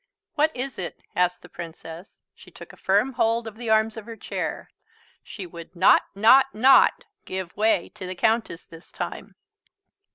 "What is it?" asked the Princess. She took a firm hold of the arms of her chair. She would not, not, not give way to the Countess this time.